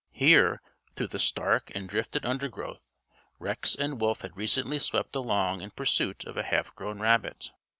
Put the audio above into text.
Here, through the stark and drifted undergrowth, Rex and Wolf had recently swept along in pursuit of a half grown rabbit.